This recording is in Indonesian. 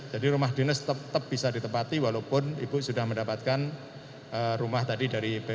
jadi rumah dinas tetap bisa ditepati walaupun ibu sudah mendapatkan rumah tadi dari bum